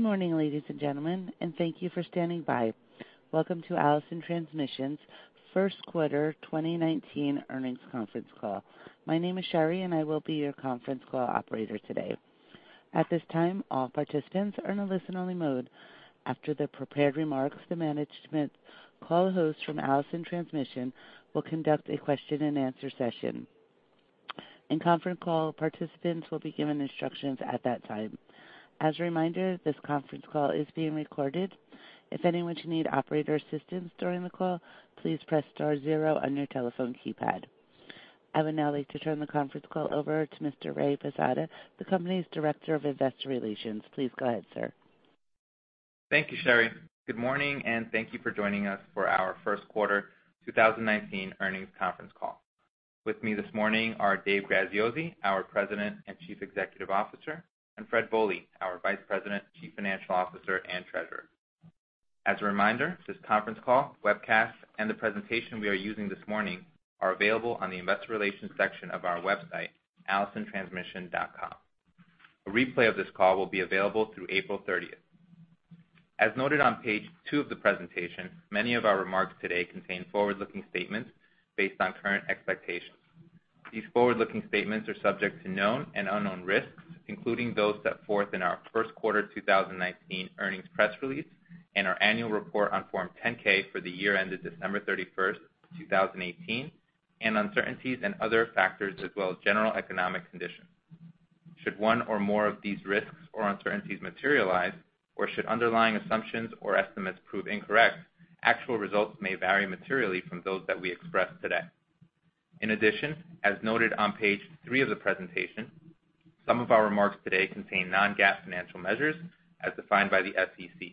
Good morning, ladies and gentlemen, and thank you for standing by. Welcome to Allison Transmission's first quarter 2019 earnings conference call. My name is Sherry, and I will be your conference call operator today. At this time, all participants are in a listen-only mode. After the prepared remarks, the management call host from Allison Transmission will conduct a question-and-answer session, and conference call participants will be given instructions at that time. As a reminder, this conference call is being recorded. If anyone should need operator assistance during the call, please press star zero on your telephone keypad. I would now like to turn the conference call over to Mr. Ray Posada, the company's Director of Investor Relations. Please go ahead, sir. Thank you, Sherry. Good morning, and thank you for joining us for our first quarter 2019 earnings conference call. With me this morning are David Graziosi, our President and Chief Executive Officer, and Fred Bohley, our Vice President, Chief Financial Officer, and Treasurer. As a reminder, this conference call, webcast, and the presentation we are using this morning are available on the investor relations section of our website, AllisonTransmission.com. A replay of this call will be available through April 30. As noted on page 2 of the presentation, many of our remarks today contain forward-looking statements based on current expectations. These forward-looking statements are subject to known and unknown risks, including those set forth in our first quarter 2019 earnings press release and our annual report on Form 10-K for the year ended December 31, 2018, and uncertainties and other factors, as well as general economic conditions. Should one or more of these risks or uncertainties materialize, or should underlying assumptions or estimates prove incorrect, actual results may vary materially from those that we express today. In addition, as noted on page 3 of the presentation, some of our remarks today contain Non-GAAP financial measures as defined by the SEC.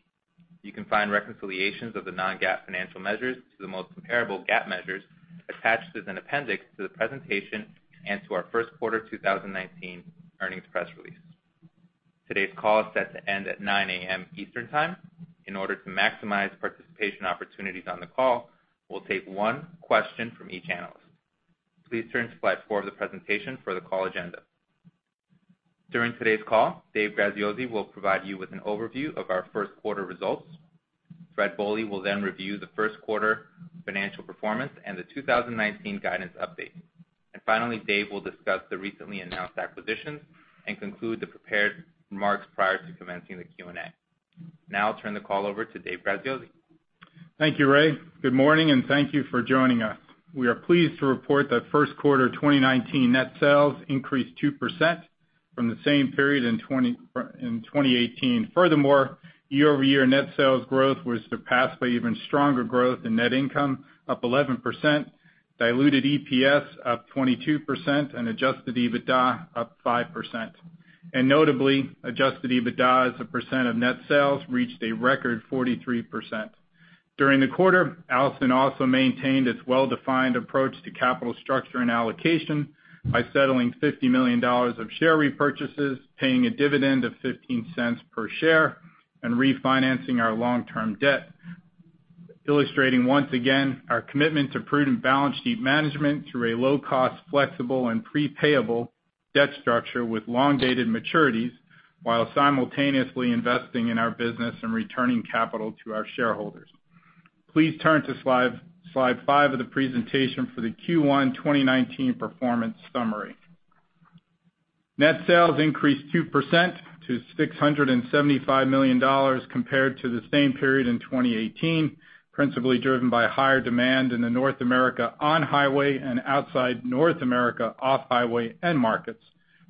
You can find reconciliations of the Non-GAAP financial measures to the most comparable GAAP measures attached as an appendix to the presentation and to our first quarter 2019 earnings press release. Today's call is set to end at 9 A.M. Eastern Time. In order to maximize participation opportunities on the call, we'll take one question from each analyst. Please turn to slide four of the presentation for the call agenda. During today's call, Dave Graziosi will provide you with an overview of our first quarter results. Fred Bohley will then review the first quarter financial performance and the 2019 guidance update. And finally, Dave will discuss the recently announced acquisitions and conclude the prepared remarks prior to commencing the Q&A. Now I'll turn the call over to Dave Graziosi. Thank you, Ray. Good morning, and thank you for joining us. We are pleased to report that first quarter 2019 net sales increased 2% from the same period in 2018. Furthermore, year-over-year net sales growth was surpassed by even stronger growth in net income, up 11%, diluted EPS up 22%, and adjusted EBITDA up 5%. And notably, adjusted EBITDA as a percent of net sales reached a record 43%. During the quarter, Allison also maintained its well-defined approach to capital structure and allocation by settling $50 million of share repurchases, paying a dividend of $0.15 per share, and refinancing our long-term debt, illustrating once again our commitment to prudent balance sheet management through a low-cost, flexible, and prepayable debt structure with long-dated maturities, while simultaneously investing in our business and returning capital to our shareholders. Please turn to slide five of the presentation for the Q1 2019 performance summary. Net sales increased 2% to $675 million compared to the same period in 2018, principally driven by higher demand in the North America on-highway and outside North America off-highway end markets,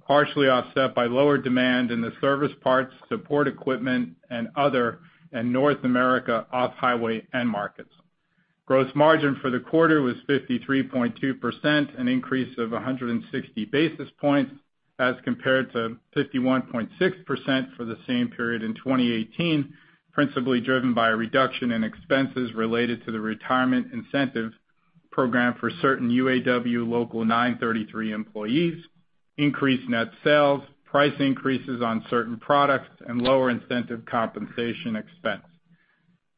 partially offset by lower demand in the service parts, support equipment, and other in North America off-highway end markets. Gross margin for the quarter was 53.2%, an increase of 160 basis points as compared to 51.6% for the same period in 2018, principally driven by a reduction in expenses related to the retirement incentive program for certain UAW Local 933 employees, increased net sales, price increases on certain products, and lower incentive compensation expense.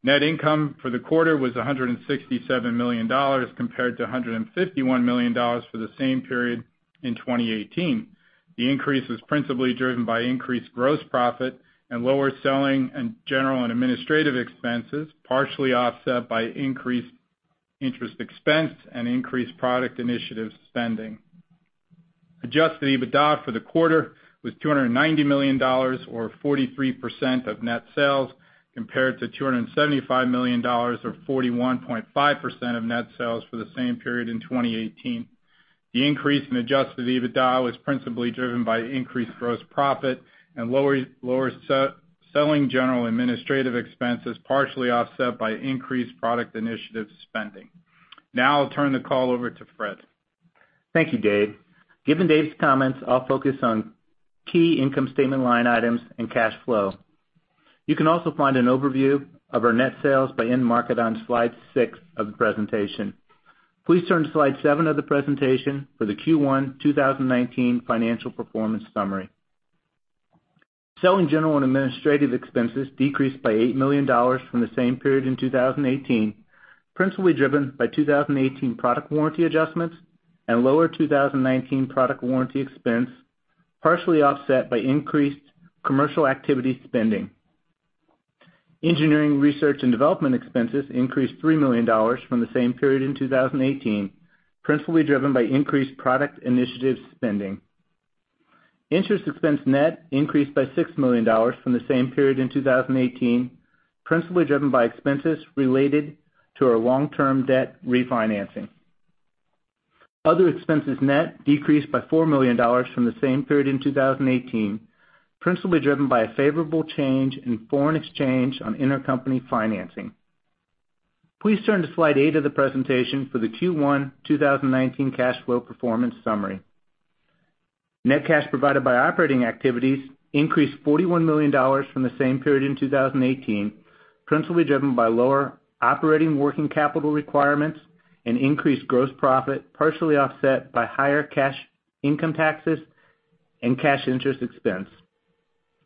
Net income for the quarter was $167 million, compared to $151 million for the same period in 2018. The increase was principally driven by increased gross profit and lower selling and general and administrative expenses, partially offset by increased interest expense and increased product initiative spending. Adjusted EBITDA for the quarter was $290 million, or 43% of net sales, compared to $275 million, or 41.5% of net sales for the same period in 2018. The increase in adjusted EBITDA was principally driven by increased gross profit and lower selling general administrative expenses, partially offset by increased product initiative spending. Now I'll turn the call over to Fred. Thank you, Dave. Given Dave's comments, I'll focus on key income statement line items and cash flow. You can also find an overview of our net sales by end market on slide six of the presentation. Please turn to slide seven of the presentation for the Q1 2019 financial performance summary. Selling, general, and administrative expenses decreased by $8 million from the same period in 2018-... principally driven by 2018 product warranty adjustments and lower 2019 product warranty expense, partially offset by increased commercial activity spending. Engineering research and development expenses increased $3 million from the same period in 2018, principally driven by increased product initiative spending. Interest expense, net increased by $6 million from the same period in 2018, principally driven by expenses related to our long-term debt refinancing. Other expenses, net decreased by $4 million from the same period in 2018, principally driven by a favorable change in foreign exchange on intercompany financing. Please turn to slide eight of the presentation for the Q1 2019 cash flow performance summary. Net cash provided by operating activities increased $41 million from the same period in 2018, principally driven by lower operating working capital requirements and increased gross profit, partially offset by higher cash income taxes and cash interest expense.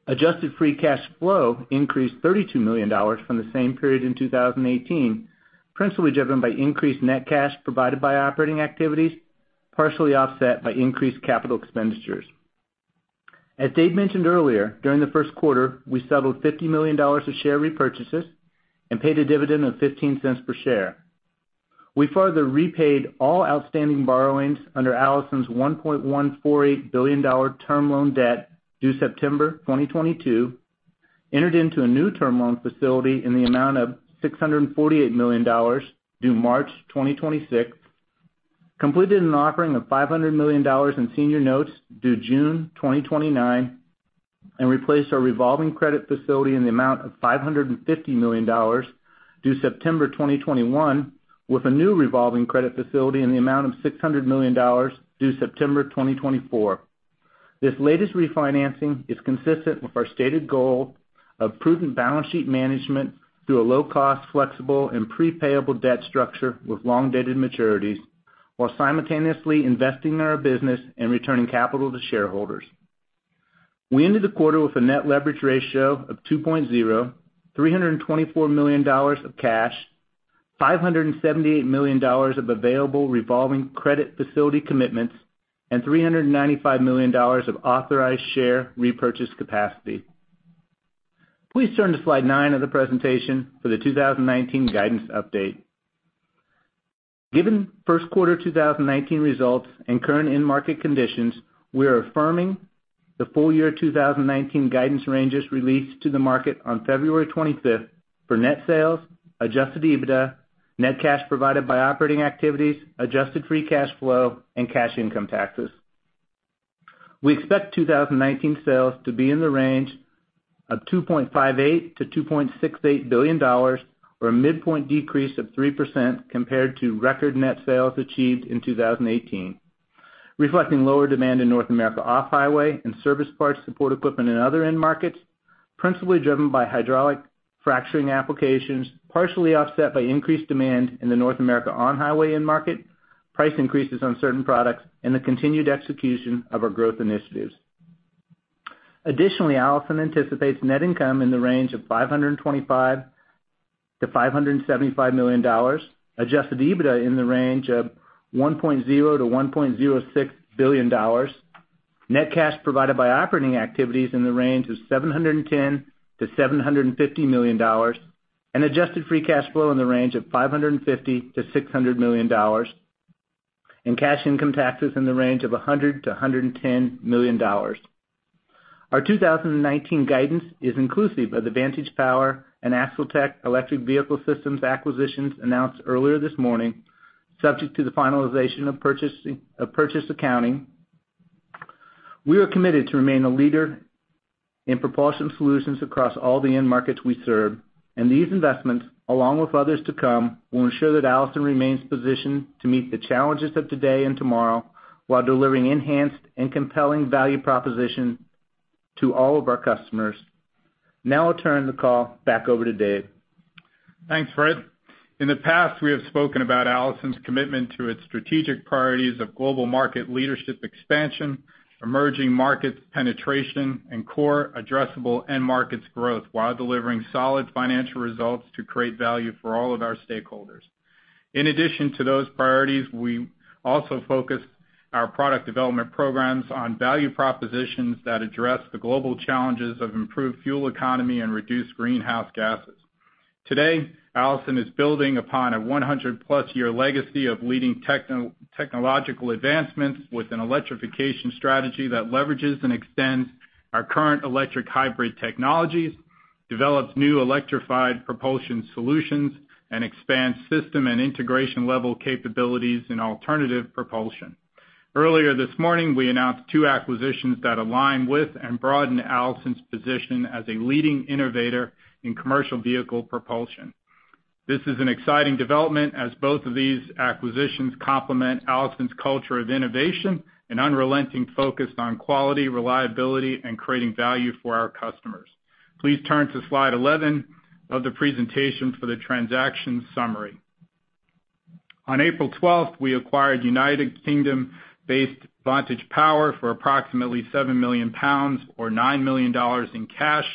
Adjusted free cash flow increased $32 million from the same period in 2018, principally driven by increased net cash provided by operating activities, partially offset by increased capital expenditures. As Dave mentioned earlier, during the first quarter, we settled $50 million of share repurchases and paid a dividend of $0.15 per share. We further repaid all outstanding borrowings under Allison's $1.148 billion term loan debt, due September 2022, entered into a new term loan facility in the amount of $648 million, due March 2026, completed an offering of $500 million in senior notes due June 2029, and replaced our revolving credit facility in the amount of $550 million, due September 2021, with a new revolving credit facility in the amount of $600 million, due September 2024. This latest refinancing is consistent with our stated goal of prudent balance sheet management through a low-cost, flexible, and prepayable debt structure with long-dated maturities, while simultaneously investing in our business and returning capital to shareholders. We ended the quarter with a net leverage ratio of 2.0, $324 million of cash, $578 million of available revolving credit facility commitments, and $395 million of authorized share repurchase capacity. Please turn to slide nine of the presentation for the 2019 guidance update. Given first quarter 2019 results and current end market conditions, we are affirming the full year 2019 guidance ranges released to the market on February 25 for net sales, adjusted EBITDA, net cash provided by operating activities, adjusted free cash flow, and cash income taxes. We expect 2019 sales to be in the range of $2.58 billion-$2.68 billion, or a midpoint decrease of 3% compared to record net sales achieved in 2018, reflecting lower demand in North America off-highway and service parts, support equipment, and other end markets, principally driven by hydraulic fracturing applications, partially offset by increased demand in the North America on-highway end market, price increases on certain products, and the continued execution of our growth initiatives. Additionally, Allison anticipates net income in the range of $525 million-$575 million, Adjusted EBITDA in the range of $1.0 billion-$1.06 billion, net cash provided by operating activities in the range of $710 million-$750 million, and adjusted free cash flow in the range of $550 million-$600 million, and cash income taxes in the range of $100 million-$110 million. Our 2019 guidance is inclusive of the Vantage Power and AxleTech Electric Vehicle Systems acquisitions announced earlier this morning, subject to the finalization of purchase accounting. We are committed to remain a leader in propulsion solutions across all the end markets we serve, and these investments, along with others to come, will ensure that Allison remains positioned to meet the challenges of today and tomorrow while delivering enhanced and compelling value proposition to all of our customers. Now I'll turn the call back over to Dave. Thanks, Fred. In the past, we have spoken about Allison's commitment to its strategic priorities of global market leadership expansion, emerging markets penetration, and core addressable end markets growth, while delivering solid financial results to create value for all of our stakeholders. In addition to those priorities, we also focused our product development programs on value propositions that address the global challenges of improved fuel economy and reduced greenhouse gases. Today, Allison is building upon a 100+-year legacy of leading technological advancements with an electrification strategy that leverages and extends our current electric hybrid technologies, develops new electrified propulsion solutions, and expands system and integration-level capabilities in alternative propulsion. Earlier this morning, we announced two acquisitions that align with and broaden Allison's position as a leading innovator in commercial vehicle propulsion. This is an exciting development as both of these acquisitions complement Allison's culture of innovation and unrelenting focus on quality, reliability, and creating value for our customers. Please turn to Slide 11 of the presentation for the transaction summary. On April 12th, we acquired United Kingdom-based Vantage Power for approximately 7 million pounds or $9 million in cash,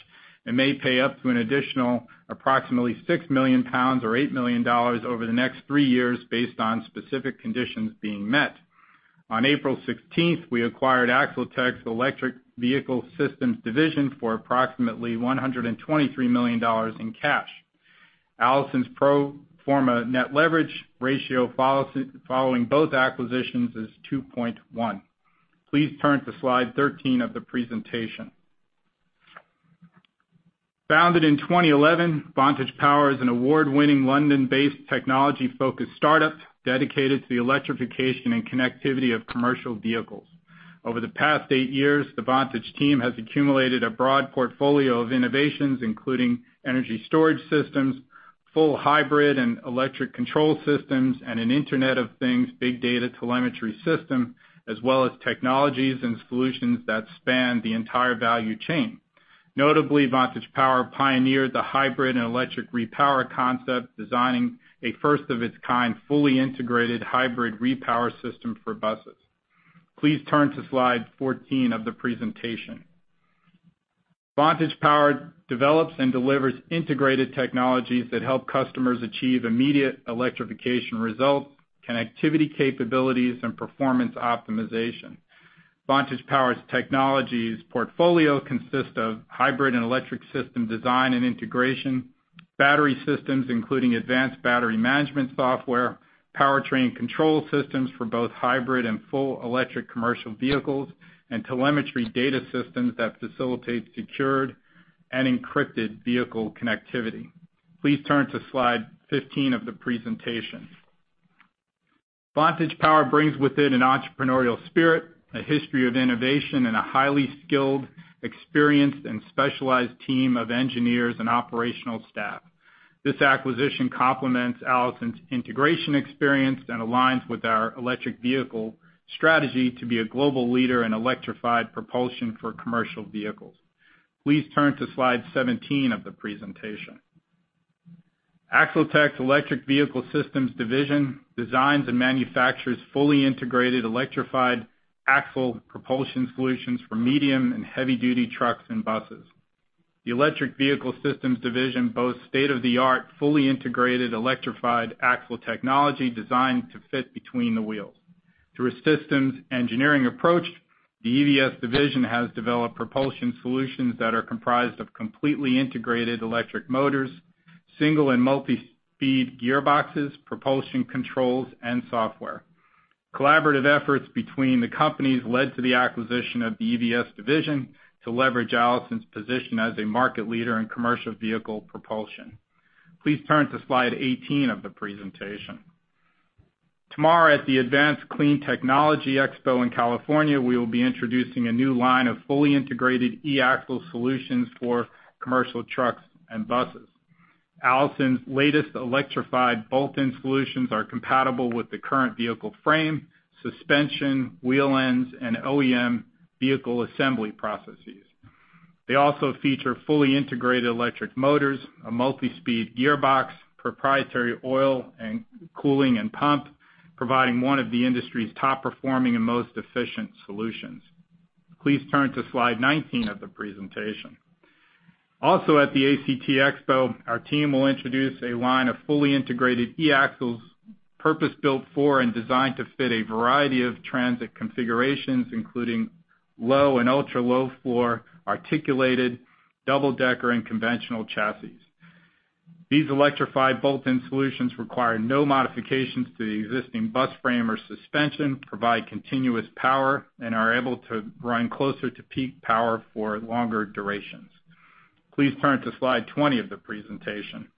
and may pay up to an additional approximately 6 million pounds or $8 million over the next three years based on specific conditions being met. On April 16th, we acquired AxleTech's Electric Vehicle Systems division for approximately $123 million in cash. Allison's pro forma net leverage ratio following both acquisitions is 2.1. Please turn to Slide 13 of the presentation. Founded in 2011, Vantage Power is an award-winning, London-based, technology-focused startup dedicated to the electrification and connectivity of commercial vehicles. Over the past eight years, the Vantage team has accumulated a broad portfolio of innovations, including energy storage systems, full hybrid and electric control systems, and an Internet of Things, big data telemetry system, as well as technologies and solutions that span the entire value chain. Notably, Vantage Power pioneered the hybrid and electric repower concept, designing a first-of-its-kind, fully integrated hybrid repower system for buses. Please turn to Slide 14 of the presentation. Vantage Power develops and delivers integrated technologies that help customers achieve immediate electrification results, connectivity capabilities, and performance optimization. Vantage Power's technologies portfolio consists of hybrid and electric system design and integration, battery systems, including advanced battery management software, powertrain control systems for both hybrid and full electric commercial vehicles, and telemetry data systems that facilitate secured and encrypted vehicle connectivity. Please turn to Slide 15 of the presentation. Vantage Power brings with it an entrepreneurial spirit, a history of innovation, and a highly skilled, experienced, and specialized team of engineers and operational staff. This acquisition complements Allison's integration experience and aligns with our electric vehicle strategy to be a global leader in electrified propulsion for commercial vehicles. Please turn to Slide 17 of the presentation. AxleTech's Electric Vehicle Systems Division designs and manufactures fully integrated electrified axle propulsion solutions for medium- and heavy-duty trucks and buses. The Electric Vehicle Systems Division boasts state-of-the-art, fully integrated electrified axle technology designed to fit between the wheels. Through a systems engineering approach, the EVS division has developed propulsion solutions that are comprised of completely integrated electric motors, single- and multi-speed gearboxes, propulsion controls, and software. Collaborative efforts between the companies led to the acquisition of the EVS division to leverage Allison's position as a market leader in commercial vehicle propulsion. Please turn to Slide 18 of the presentation. Tomorrow, at the Advanced Clean Transportation Expo in California, we will be introducing a new line of fully integrated e-axle solutions for commercial trucks and buses. Allison's latest electrified bolt-in solutions are compatible with the current vehicle frame, suspension, wheel ends, and OEM vehicle assembly processes. They also feature fully integrated electric motors, a multi-speed gearbox, proprietary oil and cooling and pump, providing one of the industry's top-performing and most efficient solutions. Please turn to Slide 19 of the presentation. Also, at the ACT Expo, our team will introduce a line of fully integrated e-axles, purpose-built for and designed to fit a variety of transit configurations, including low and ultra-low floor, articulated, double-decker, and conventional chassis. These electrified bolt-in solutions require no modifications to the existing bus frame or suspension, provide continuous power, and are able to run closer to peak power for longer durations. Please turn to Slide 20 of the presentation.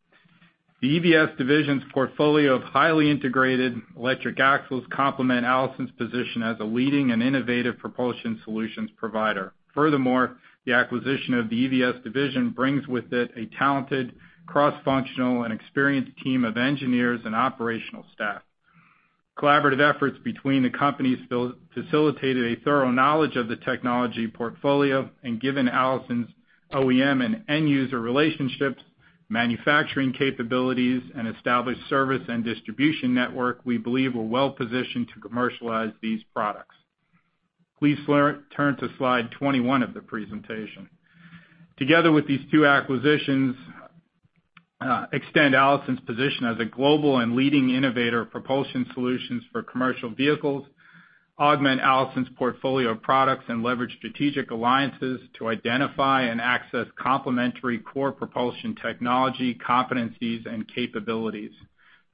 The EVS division's portfolio of highly integrated electric axles complement Allison's position as a leading and innovative propulsion solutions provider. Furthermore, the acquisition of the EVS division brings with it a talented, cross-functional, and experienced team of engineers and operational staff. Collaborative efforts between the companies facilitated a thorough knowledge of the technology portfolio, and given Allison's OEM and end user relationships, manufacturing capabilities, and established service and distribution network, we believe we're well positioned to commercialize these products. Please turn to Slide 21 of the presentation. Together with these two acquisitions, extend Allison's position as a global and leading innovator of propulsion solutions for commercial vehicles, augment Allison's portfolio of products, and leverage strategic alliances to identify and access complementary core propulsion technology, competencies, and capabilities.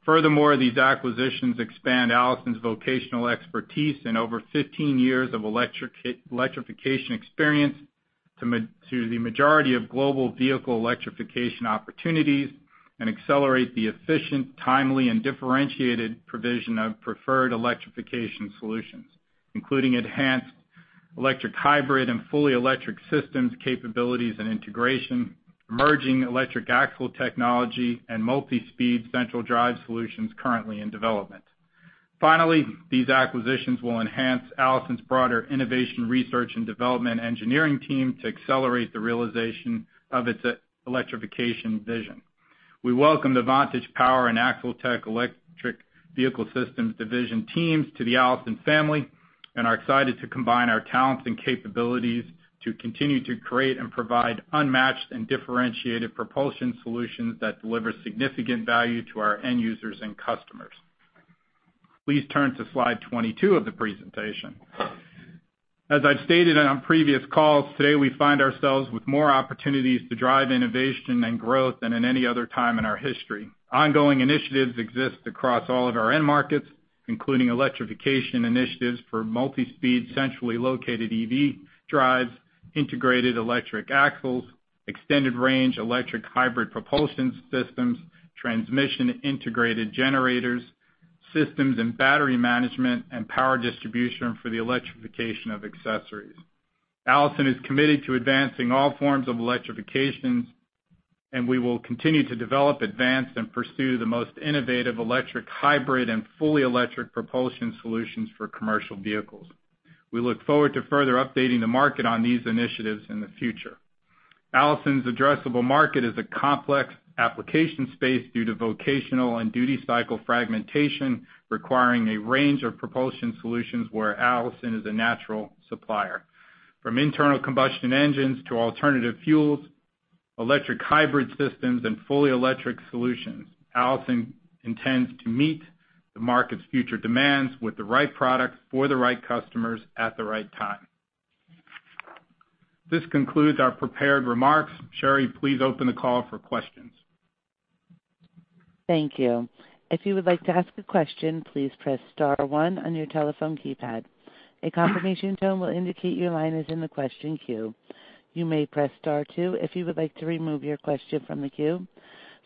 Furthermore, these acquisitions expand Allison's vocational expertise in over fifteen years of electrification experience to the majority of global vehicle electrification opportunities and accelerate the efficient, timely, and differentiated provision of preferred electrification solutions, including enhanced electric, hybrid, and fully electric systems capabilities and integration, emerging electric axle technology, and multi-speed central drive solutions currently in development. Finally, these acquisitions will enhance Allison's broader innovation, research, and development engineering team to accelerate the realization of its electrification vision. We welcome the Vantage Power and AxleTech Electric Vehicle Systems division teams to the Allison family, and are excited to combine our talents and capabilities to continue to create and provide unmatched and differentiated propulsion solutions that deliver significant value to our end users and customers. Please turn to Slide 22 of the presentation. As I've stated on previous calls, today, we find ourselves with more opportunities to drive innovation and growth than in any other time in our history. Ongoing initiatives exist across all of our end markets, including electrification initiatives for multi-speed, centrally located EV drives, integrated electric axles, extended range electric hybrid propulsion systems, transmission-integrated generators, systems and battery management, and power distribution for the electrification of accessories. Allison is committed to advancing all forms of electrification, and we will continue to develop, advance, and pursue the most innovative electric, hybrid, and fully electric propulsion solutions for commercial vehicles. We look forward to further updating the market on these initiatives in the future. Allison's addressable market is a complex application space due to vocational and duty cycle fragmentation, requiring a range of propulsion solutions where Allison is a natural supplier. From internal combustion engines to alternative fuels, electric hybrid systems, and fully electric solutions, Allison intends to meet the market's future demands with the right products for the right customers at the right time. This concludes our prepared remarks. Sherry, please open the call for questions. Thank you. If you would like to ask a question, please press star one on your telephone keypad. A confirmation tone will indicate your line is in the question queue. You may press star two if you would like to remove your question from the queue.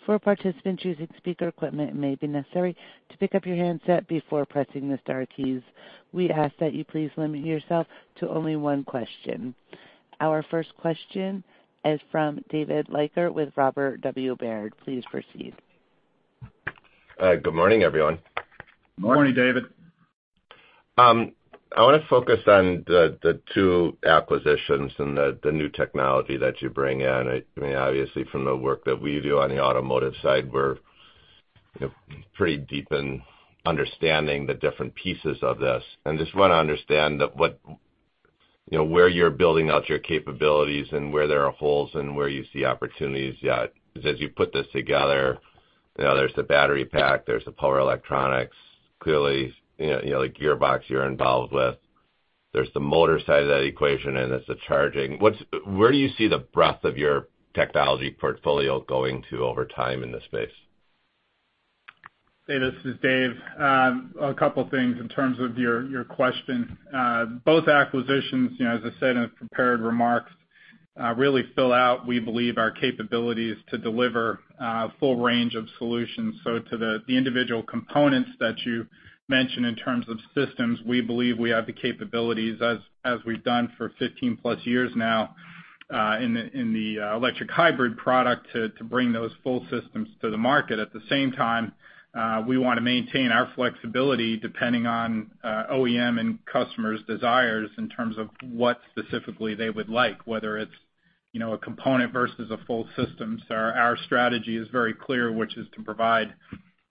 For participants using speaker equipment, it may be necessary to pick up your handset before pressing the star keys. We ask that you please limit yourself to only one question. Our first question is from David Leiker with Robert W. Baird. Please proceed. Hi, good morning, everyone. Good morning, David. I want to focus on the two acquisitions and the new technology that you bring in. I mean, obviously, from the work that we do on the automotive side, we're, you know, pretty deep in understanding the different pieces of this, and just want to understand what, you know, where you're building out your capabilities and where there are holes and where you see opportunities yet. Because as you put this together, you know, there's the battery pack, there's the power electronics, clearly, you know, the gearbox you're involved with. There's the motor side of that equation, and there's the charging. Where do you see the breadth of your technology portfolio going to over time in this space? Hey, this is Dave. A couple of things in terms of your question. Both acquisitions, you know, as I said in the prepared remarks, really fill out, we believe, our capabilities to deliver full range of solutions. So to the individual components that you mentioned in terms of systems, we believe we have the capabilities as we've done for 15+ years now in the electric hybrid product to bring those full systems to the market. At the same time, we want to maintain our flexibility depending on OEM and customers' desires in terms of what specifically they would like, whether it's, you know, a component versus a full system. Our strategy is very clear, which is to provide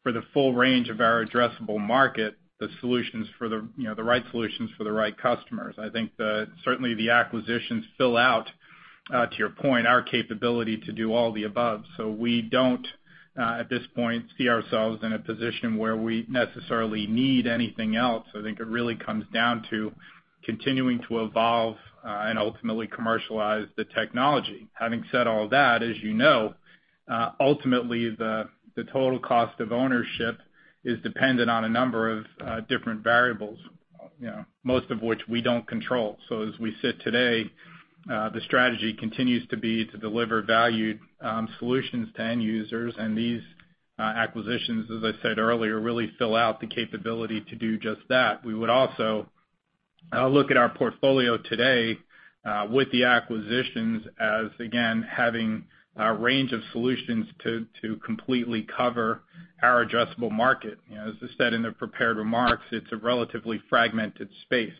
for the full range of our addressable market, the solutions for the, you know, the right solutions for the right customers. I think, certainly the acquisitions fill out, to your point, our capability to do all the above. So we don't, at this point, see ourselves in a position where we necessarily need anything else. I think it really comes down to continuing to evolve, and ultimately commercialize the technology. Having said all that, as you know, ultimately, the total cost of ownership is dependent on a number of different variables, you know, most of which we don't control. So as we sit today, the strategy continues to be to deliver valued solutions to end users, and these acquisitions, as I said earlier, really fill out the capability to do just that. We would also look at our portfolio today with the acquisitions as, again, having a range of solutions to completely cover our addressable market. You know, as I said in the prepared remarks, it's a relatively fragmented space.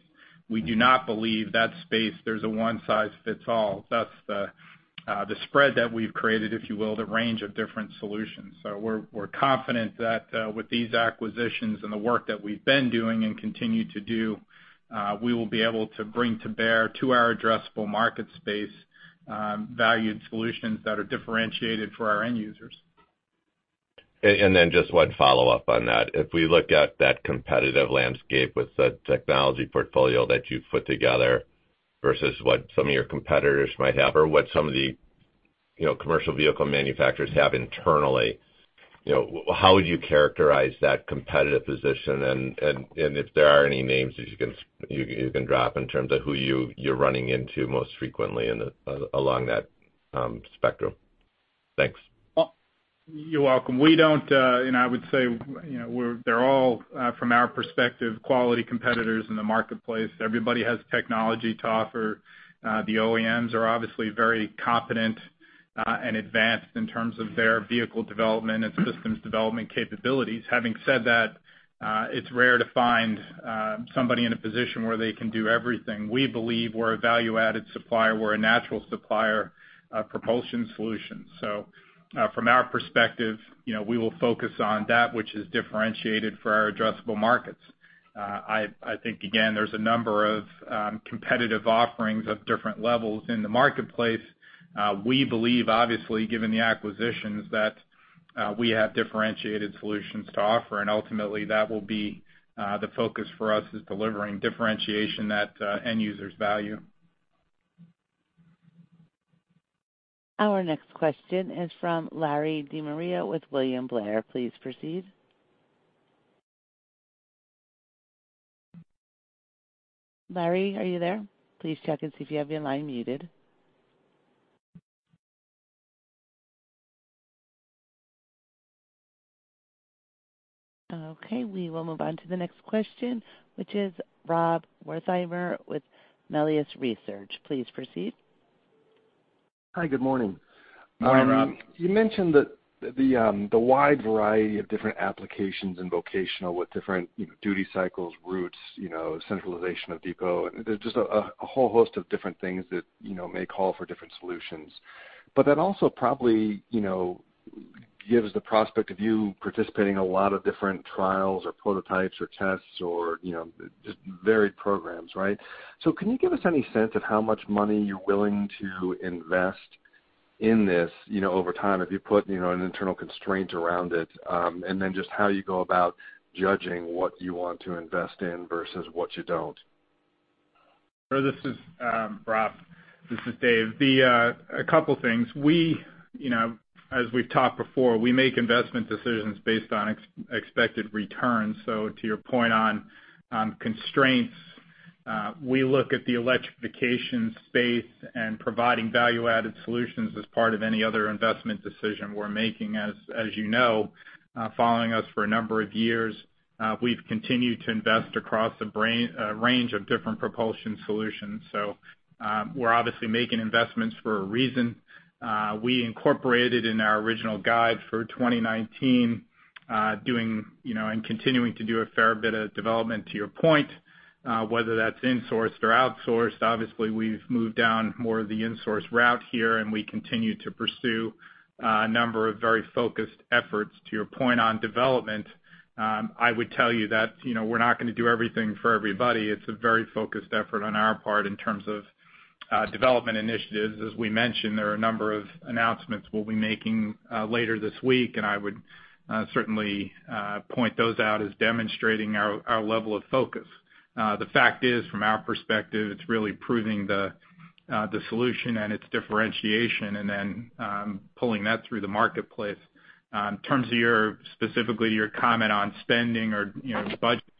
We do not believe that space. There's a one size fits all. That's the spread that we've created, if you will, the range of different solutions. So we're confident that with these acquisitions and the work that we've been doing and continue to do, we will be able to bring to bear to our addressable market space valued solutions that are differentiated for our end users. And then just one follow-up on that. If we look at that competitive landscape with the technology portfolio that you've put together versus what some of your competitors might have or what some of the, you know, commercial vehicle manufacturers have internally, you know, how would you characterize that competitive position? And if there are any names that you can drop in terms of who you're running into most frequently in the along that spectrum?... Thanks. Well, you're welcome. We don't, and I would say, you know, they're all, from our perspective, quality competitors in the marketplace. Everybody has technology to offer. The OEMs are obviously very competent, and advanced in terms of their vehicle development and systems development capabilities. Having said that, it's rare to find, somebody in a position where they can do everything. We believe we're a value-added supplier. We're a natural supplier of propulsion solutions. So, from our perspective, you know, we will focus on that which is differentiated for our addressable markets. I think, again, there's a number of, competitive offerings at different levels in the marketplace. We believe, obviously, given the acquisitions, that, we have differentiated solutions to offer, and ultimately, that will be, the focus for us, is delivering differentiation that, end users value. Our next question is from Larry DeMaria with William Blair. Please proceed. Larry, are you there? Please check and see if you have your line muted. Okay, we will move on to the next question, which is Rob Wertheimer with Melius Research. Please proceed. Hi, good morning. Hi, Rob. You mentioned that the wide variety of different applications and vocational with different, you know, duty cycles, routes, you know, centralization of depot, and there's just a whole host of different things that, you know, may call for different solutions. But that also probably, you know, gives the prospect of you participating in a lot of different trials or prototypes or tests or, you know, just varied programs, right? So can you give us any sense of how much money you're willing to invest in this, you know, over time, if you put, you know, an internal constraint around it? And then just how you go about judging what you want to invest in versus what you don't. Sure. This is, Rob, this is Dave. The, a couple things. We, you know, as we've talked before, we make investment decisions based on expected returns. So to your point on, constraints, we look at the electrification space and providing value-added solutions as part of any other investment decision we're making. As, as you know, following us for a number of years, we've continued to invest across a range of different propulsion solutions. So, we're obviously making investments for a reason. We incorporated in our original guide for 2019, doing, you know, and continuing to do a fair bit of development, to your point, whether that's insourced or outsourced. Obviously, we've moved down more of the insource route here, and we continue to pursue, a number of very focused efforts. To your point on development, I would tell you that, you know, we're not gonna do everything for everybody. It's a very focused effort on our part in terms of development initiatives. As we mentioned, there are a number of announcements we'll be making later this week, and I would certainly point those out as demonstrating our level of focus. The fact is, from our perspective, it's really proving the solution and its differentiation, and then pulling that through the marketplace. In terms of your, specifically, your comment on spending or, you know,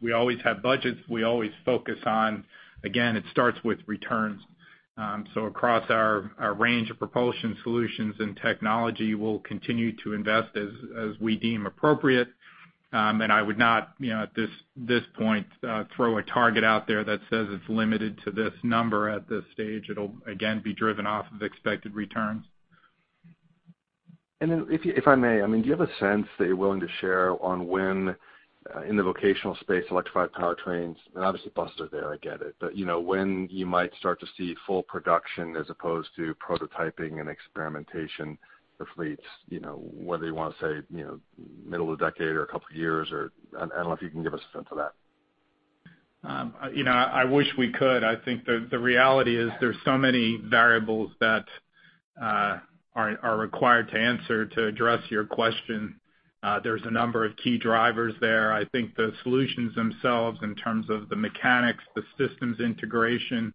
we always have budgets. We always focus on, again, it starts with returns. So across our range of propulsion solutions and technology, we'll continue to invest as we deem appropriate. I would not, you know, at this point, throw a target out there that says it's limited to this number at this stage. It'll, again, be driven off of expected returns. And then if, if I may, I mean, do you have a sense that you're willing to share on when in the vocational space, electrified powertrains, and obviously bus are there, I get it, but, you know, when you might start to see full production as opposed to prototyping and experimentation for fleets, you know, whether you want to say, you know, middle of the decade or a couple years or... I, I don't know if you can give us a sense of that. You know, I wish we could. I think the reality is there's so many variables that are required to answer to address your question. There's a number of key drivers there. I think the solutions themselves, in terms of the mechanics, the systems integration,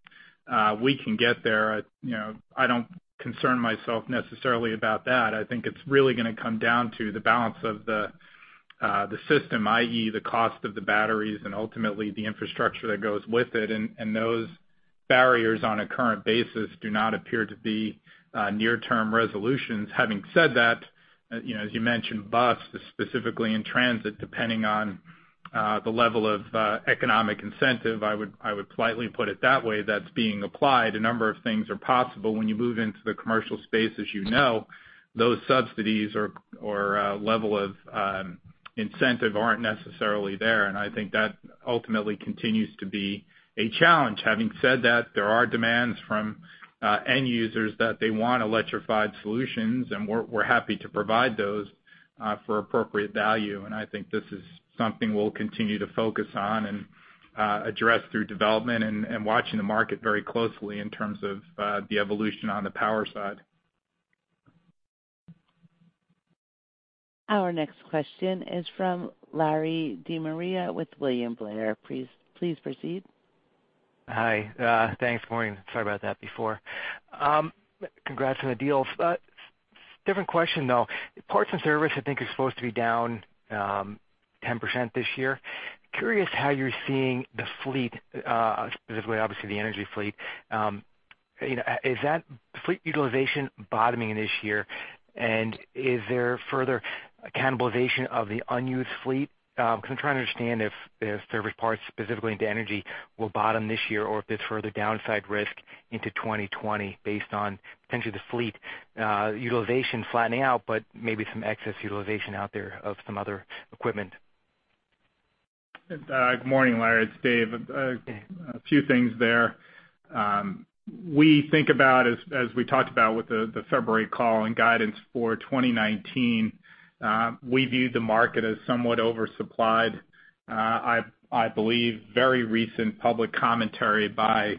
we can get there. You know, I don't concern myself necessarily about that. I think it's really gonna come down to the balance of the system, i.e., the cost of the batteries and ultimately the infrastructure that goes with it, and those barriers, on a current basis, do not appear to be near-term resolutions. Having said that, you know, as you mentioned, bus, specifically in transit, depending on the level of economic incentive, I would politely put it that way, that's being applied, a number of things are possible. When you move into the commercial space, as you know, those subsidies or level of incentive aren't necessarily there, and I think that ultimately continues to be a challenge. Having said that, there are demands from end users that they want electrified solutions, and we're happy to provide those for appropriate value. And I think this is something we'll continue to focus on and address through development and watching the market very closely in terms of the evolution on the power side. Our next question is from Larry DeMaria with William Blair. Please, please proceed. Hi, thanks, Maureen. Sorry about that before. Congrats on the deal. Different question, though. Parts and service, I think, is supposed to be down 10% this year. Curious how you're seeing the fleet, specifically, obviously, the energy fleet. You know, is that fleet utilization bottoming this year? And is there further cannibalization of the unused fleet? Because I'm trying to understand if, if service parts, specifically into energy, will bottom this year, or if there's further downside risk into 2020 based on potentially the fleet, utilization flattening out, but maybe some excess utilization out there of some other equipment. Good morning, Larry, it's Dave. Hey. A few things there. We think about as, as we talked about with the February call and guidance for 2019, we viewed the market as somewhat oversupplied. I believe very recent public commentary by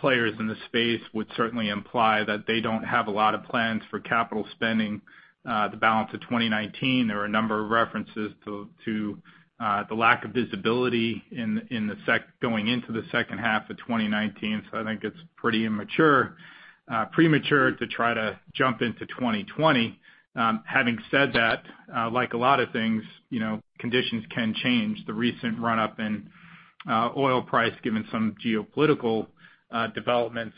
players in the space would certainly imply that they don't have a lot of plans for capital spending, the balance of 2019. There were a number of references to the lack of visibility in, in the sector going into the second half of 2019, so I think it's pretty immature, premature to try to jump into 2020. Having said that, like a lot of things, you know, conditions can change. The recent run-up in oil price, given some geopolitical developments,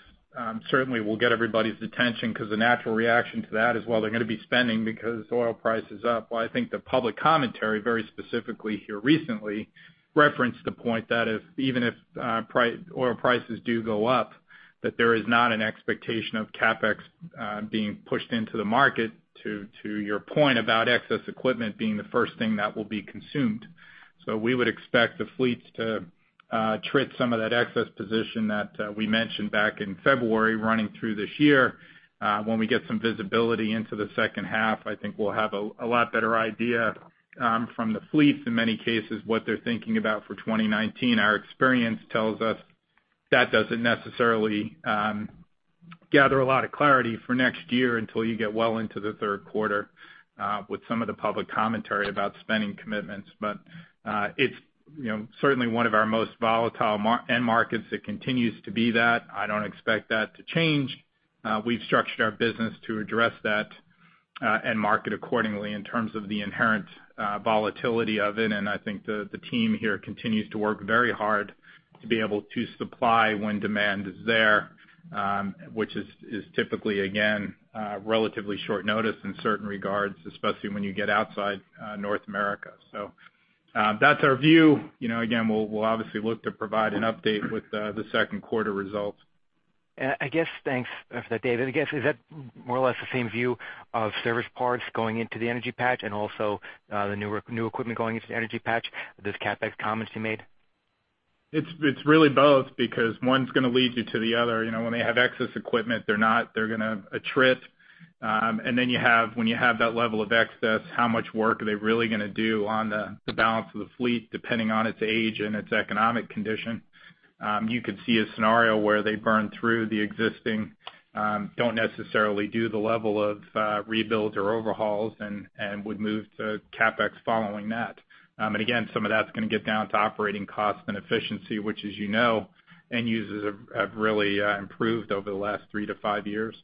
certainly will get everybody's attention because the natural reaction to that is, well, they're gonna be spending because oil price is up. Well, I think the public commentary, very specifically here recently, referenced the point that if even if oil prices do go up, that there is not an expectation of CapEx being pushed into the market, to your point about excess equipment being the first thing that will be consumed. So we would expect the fleets to eat some of that excess position that we mentioned back in February running through this year. When we get some visibility into the second half, I think we'll have a lot better idea from the fleets, in many cases, what they're thinking about for 2019. Our experience tells us that doesn't necessarily gather a lot of clarity for next year until you get well into the third quarter with some of the public commentary about spending commitments. But it's, you know, certainly one of our most volatile end markets. It continues to be that. I don't expect that to change. We've structured our business to address that and market accordingly in terms of the inherent volatility of it, and I think the team here continues to work very hard to be able to supply when demand is there, which is typically, again, relatively short notice in certain regards, especially when you get outside North America. So that's our view. You know, again, we'll obviously look to provide an update with the second quarter results. I guess thanks for that, David. I guess, is that more or less the same view of service parts going into the energy patch and also, the newer, new equipment going into the energy patch, those CapEx comments you made? It's really both, because one's gonna lead you to the other. You know, when they have excess equipment, they're not- they're gonna trade it. And then you have, when you have that level of excess, how much work are they really gonna do on the balance of the fleet, depending on its age and its economic condition? You could see a scenario where they burn through the existing, don't necessarily do the level of rebuilds or overhauls and would move to CapEx following that. And again, some of that's gonna get down to operating costs and efficiency, which, as you know, end users have really improved over the last three to five years.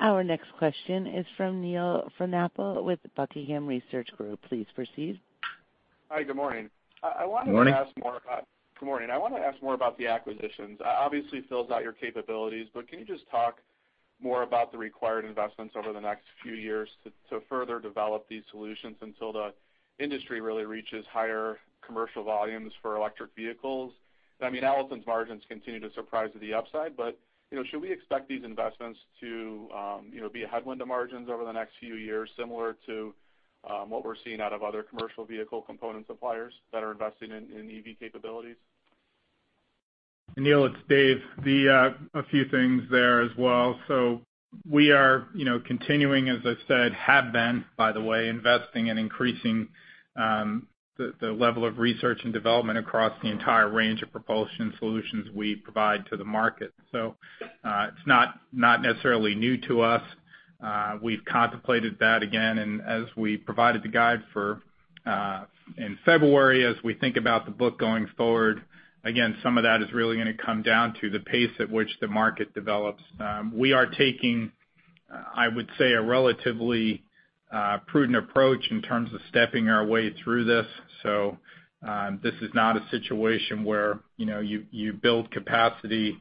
Our next question is from Neil Frohnapple with Buckingham Research Group. Please proceed. Hi, good morning. Good morning. I wanted to ask more about... Good morning. I wanna ask more about the acquisitions. Obviously fills out your capabilities, but can you just talk more about the required investments over the next few years to further develop these solutions until the industry really reaches higher commercial volumes for electric vehicles? I mean, Allison's margins continue to surprise to the upside, but, you know, should we expect these investments to, you know, be a headwind to margins over the next few years, similar to what we're seeing out of other commercial vehicle component suppliers that are investing in EV capabilities? Neil, it's Dave. The, a few things there as well. So we are, you know, continuing, as I said, have been, by the way, investing and increasing, the level of research and development across the entire range of propulsion solutions we provide to the market. So, it's not, not necessarily new to us. We've contemplated that again, and as we provided the guide for, in February, as we think about the book going forward, again, some of that is really gonna come down to the pace at which the market develops. We are taking, I would say, a relatively, prudent approach in terms of stepping our way through this. So, this is not a situation where, you know, you, you build capacity,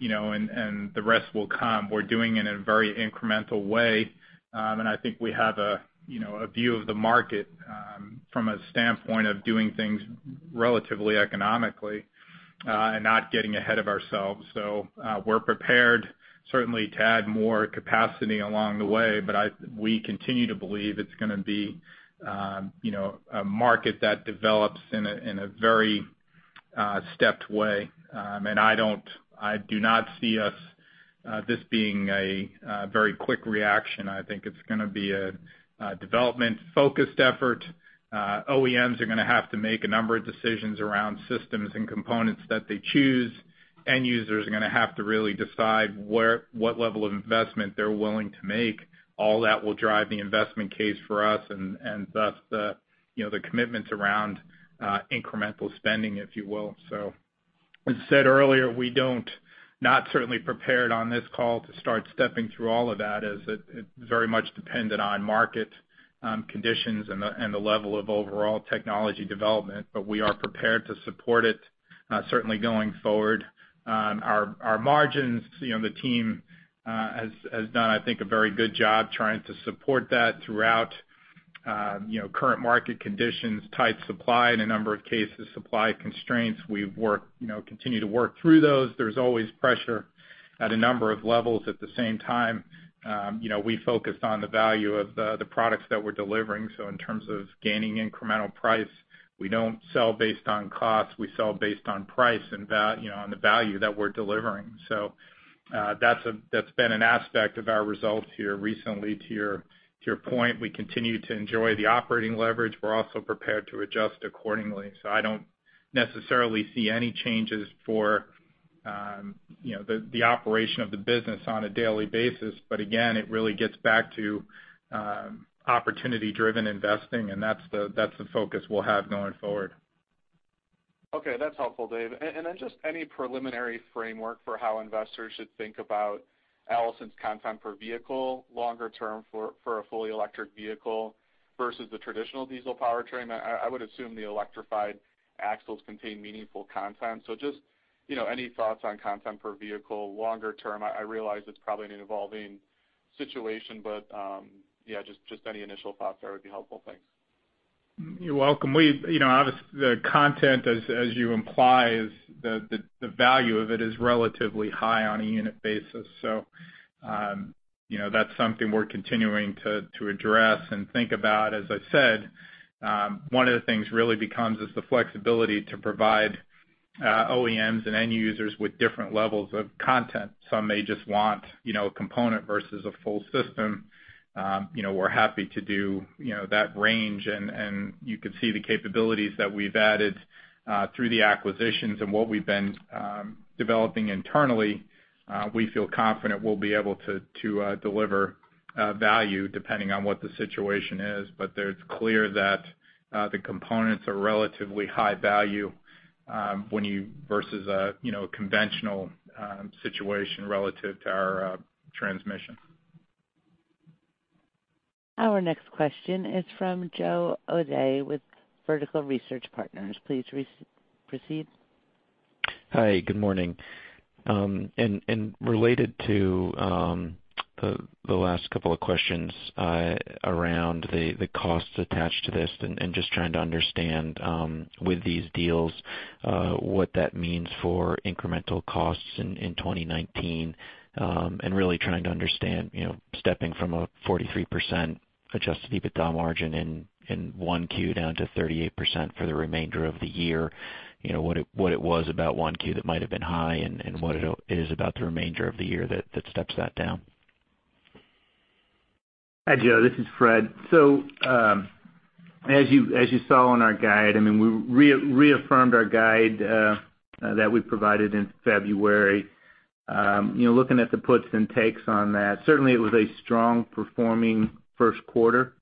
you know, and, and the rest will come. We're doing it in a very incremental way, and I think we have a, you know, a view of the market, from a standpoint of doing things relatively economically, and not getting ahead of ourselves. So, we're prepared certainly to add more capacity along the way, but we continue to believe it's gonna be, you know, a market that develops in a, in a very, stepped way. And I do not see us, this being a, very quick reaction. I think it's gonna be a, development-focused effort. OEMs are gonna have to make a number of decisions around systems and components that they choose. End users are gonna have to really decide what level of investment they're willing to make. All that will drive the investment case for us, and thus, you know, the commitments around incremental spending, if you will. So, as I said earlier, we don't, not certainly prepared on this call to start stepping through all of that, as it very much dependent on market conditions and the level of overall technology development. But we are prepared to support it, certainly going forward. Our margins, you know, the team has done, I think, a very good job trying to support that throughout, you know, current market conditions, tight supply, in a number of cases, supply constraints. We've worked, you know, continue to work through those. There's always pressure at a number of levels. At the same time, you know, we focus on the value of the products that we're delivering. So in terms of gaining incremental price, we don't sell based on cost, we sell based on price and value you know, on the value that we're delivering. So, that's been an aspect of our results here recently, to your point. We continue to enjoy the operating leverage. We're also prepared to adjust accordingly. So I don't necessarily see any changes for, you know, the operation of the business on a daily basis. But again, it really gets back to, opportunity-driven investing, and that's the focus we'll have going forward. Okay, that's helpful, Dave. And then just any preliminary framework for how investors should think about Allison's content per vehicle longer term for a fully electric vehicle versus the traditional diesel powertrain? I would assume the electrified axles contain meaningful content. So just, you know, any thoughts on content per vehicle longer term? I realize it's probably an evolving situation, but yeah, just any initial thoughts there would be helpful. Thanks. You're welcome. We, you know, obviously the content, as you imply, is the value of it is relatively high on a unit basis. So, you know, that's something we're continuing to address and think about. As I said, one of the things really becomes is the flexibility to provide OEMs and end users with different levels of content. Some may just want, you know, a component versus a full system. You know, we're happy to do, you know, that range. And you can see the capabilities that we've added through the acquisitions and what we've been developing internally. We feel confident we'll be able to deliver value depending on what the situation is. But it's clear that the components are relatively high value when you versus a, you know, conventional situation relative to our transmission. Our next question is from Joe O'Dea with Vertical Research Partners. Please proceed. Hi, good morning. And related to the last couple of questions around the costs attached to this, and just trying to understand with these deals what that means for incremental costs in 2019, and really trying to understand, you know, stepping from a 43% Adjusted EBITDA margin in 1Q down to 38% for the remainder of the year, you know, what it was about 1Q that might have been high and what it is about the remainder of the year that steps that down? Hi, Joe, this is Fred. So, as you saw in our guide, I mean, we reaffirmed our guide that we provided in February. You know, looking at the puts and takes on that, certainly it was a strong performing first quarter.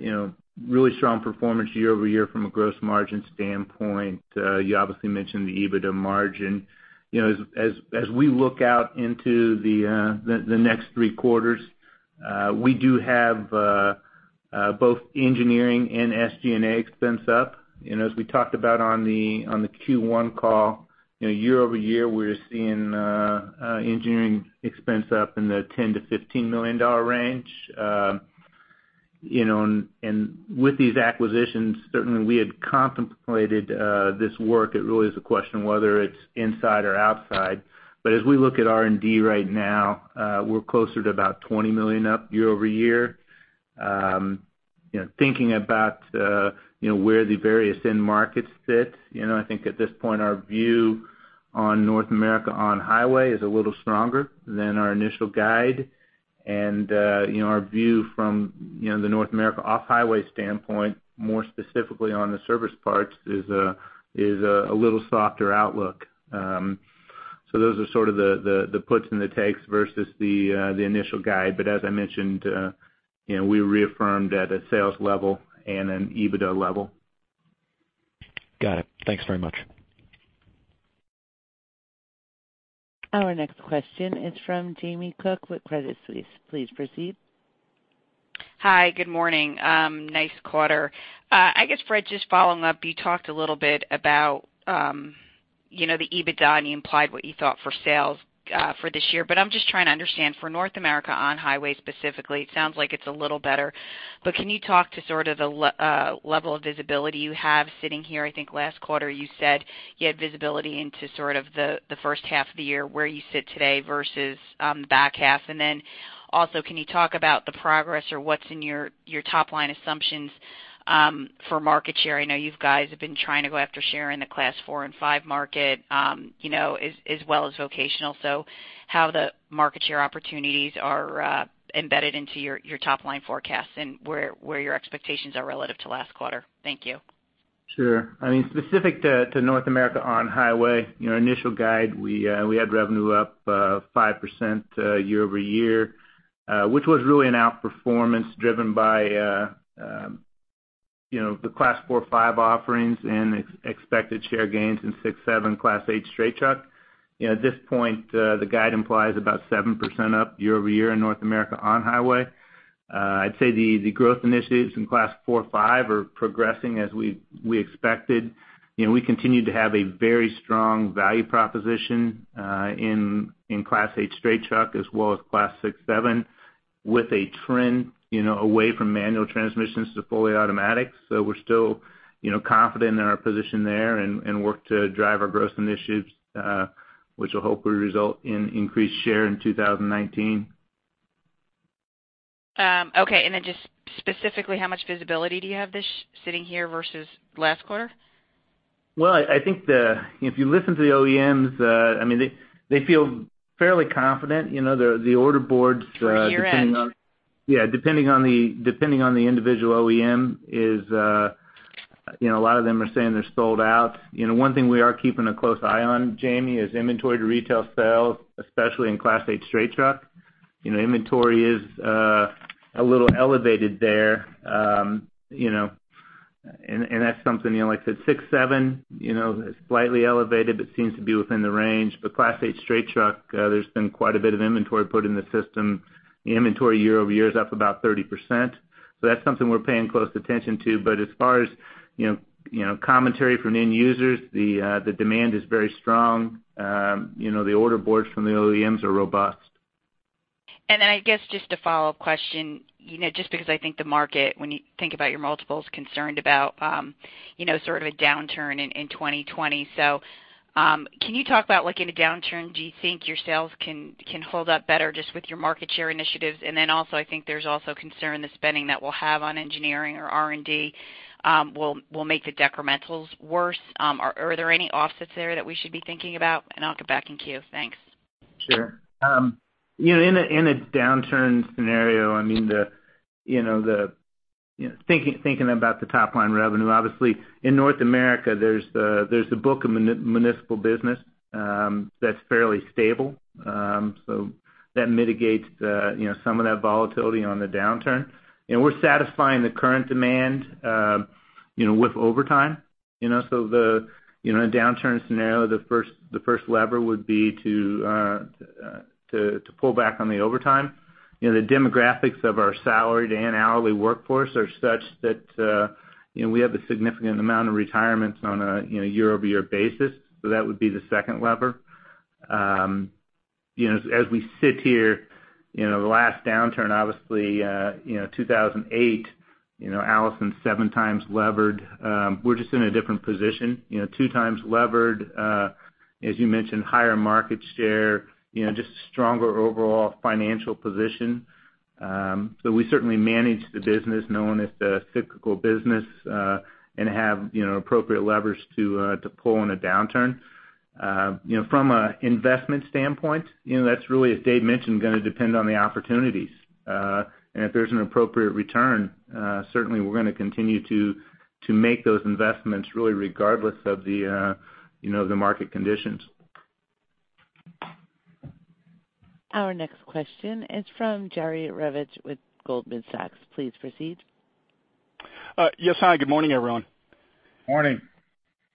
You know, really strong performance year-over-year from a gross margin standpoint. You obviously mentioned the EBITDA margin. You know, as we look out into the next three quarters, we do have both engineering and SG&A expense up. You know, as we talked about on the Q1 call, you know, year-over-year, we're seeing engineering expense up in the $10 million-$15 million dollar range. You know, and with these acquisitions, certainly we had contemplated this work. It really is a question of whether it's inside or outside. But as we look at R&D right now, we're closer to about $20 million up year-over-year. You know, thinking about, you know, where the various end markets sit, you know, I think at this point, our view on North America on-highway is a little stronger than our initial guide. And, you know, our view from, you know, the North America off-highway standpoint, more specifically on the service parts, is a little softer outlook. So those are sort of the puts and the takes versus the initial guide. But as I mentioned, you know, we reaffirmed at a sales level and an EBITDA level. Got it. Thanks very much. Our next question is from Jamie Cook with Credit Suisse. Please proceed. Hi, good morning. Nice quarter. I guess, Fred, just following up, you talked a little bit about, you know, the EBITDA, and you implied what you thought for sales for this year. But I'm just trying to understand, for North America on-highway specifically, it sounds like it's a little better. But can you talk to sort of the level of visibility you have sitting here? I think last quarter you said you had visibility into sort of the first half of the year, where you sit today versus the back half. And then also, can you talk about the progress or what's in your top-line assumptions for market share? I know you guys have been trying to go after share in the Class 4 and 5 market, you know, as well as vocational. How the market share opportunities are embedded into your top-line forecasts and where your expectations are relative to last quarter? Thank you. Sure. I mean, specific to, to North America on-highway, you know, initial guide, we, we had revenue up 5%, year-over-year, which was really an outperformance driven by,... you know, the Class 4, 5 offerings and expected share gains in 6, 7, Class 8 straight truck. You know, at this point, the guide implies about 7% up year-over-year in North America on highway. I'd say the growth initiatives in Class 4, 5 are progressing as we expected. You know, we continue to have a very strong value proposition in Class 8 straight truck, as well as Class 6, 7, with a trend, you know, away from manual transmissions to fully automatic. So we're still, you know, confident in our position there and work to drive our growth initiatives, which will hopefully result in increased share in 2019. Okay, and then just specifically, how much visibility do you have this, sitting here versus last quarter? Well, I think the – if you listen to the OEMs, I mean, they feel fairly confident. You know, the order boards, depending on- For your end. Yeah, depending on the individual OEM is, you know, a lot of them are saying they're sold out. You know, one thing we are keeping a close eye on, Jamie, is inventory to retail sales, especially in Class 8 straight truck. You know, inventory is a little elevated there. You know, and that's something, you know, like I said, 6, 7, you know, is slightly elevated, but seems to be within the range. But Class 8 straight truck, there's been quite a bit of inventory put in the system. Inventory year-over-year is up about 30%. So that's something we're paying close attention to. But as far as, you know, you know, commentary from end users, the demand is very strong. You know, the order boards from the OEMs are robust. And then I guess, just a follow-up question, you know, just because I think the market, when you think about your multiples, concerned about, you know, sort of a downturn in 2020. So, can you talk about, like, in a downturn, do you think your sales can hold up better just with your market share initiatives? And then also, I think there's also concern the spending that we'll have on engineering or R&D, will make the decrementals worse. Are there any offsets there that we should be thinking about? And I'll get back in queue. Thanks. Sure. You know, in a downturn scenario, I mean, you know, thinking about the top line revenue, obviously, in North America, there's the book of municipal business that's fairly stable. So that mitigates, you know, some of that volatility on the downturn. And we're satisfying the current demand, you know, with overtime, you know, so the downturn scenario, the first lever would be to pull back on the overtime. You know, the demographics of our salaried and hourly workforce are such that, you know, we have a significant amount of retirements on a year-over-year basis, so that would be the second lever. You know, as we sit here, you know, the last downturn, obviously, you know, 2008, you know, Allison, 7x levered. We're just in a different position, you know, 2x levered, as you mentioned, higher market share, you know, just stronger overall financial position. So we certainly manage the business, knowing it's a cyclical business, and have, you know, appropriate levers to pull in a downturn. You know, from a investment standpoint, you know, that's really, as Dave mentioned, gonna depend on the opportunities. And if there's an appropriate return, certainly we're gonna continue to make those investments really regardless of the, you know, the market conditions. Our next question is from Jerry Revich with Goldman Sachs. Please proceed. Yes, hi, good morning, everyone. Morning.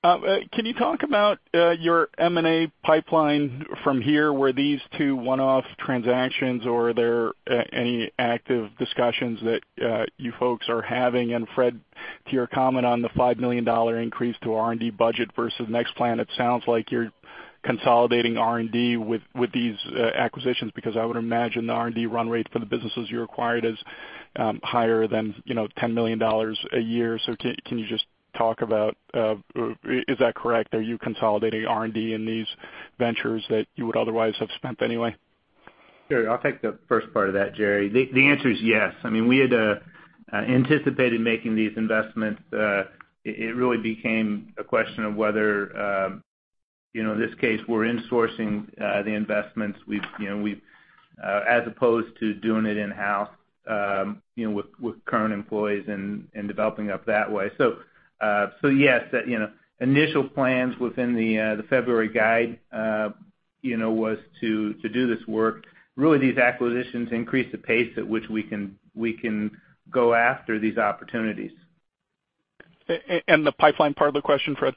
Can you talk about your M&A pipeline from here? Were these two one-off transactions, or are there any active discussions that you folks are having? And Fred, to your comment on the $5 million increase to R&D budget versus next plan, it sounds like you're consolidating R&D with these acquisitions, because I would imagine the R&D run rate for the businesses you acquired is higher than, you know, $10 million a year. So can you just talk about, is that correct? Are you consolidating R&D in these ventures that you would otherwise have spent anyway? Sure. I'll take the first part of that, Jerry. The answer is yes. I mean, we had anticipated making these investments. It really became a question of whether, you know, in this case, we're insourcing the investments. We've, you know, we've as opposed to doing it in-house, you know, with current employees and developing up that way. So, so yes, you know, initial plans within the February guide, you know, was to do this work. Really, these acquisitions increase the pace at which we can go after these opportunities. And the pipeline part of the question, Fred?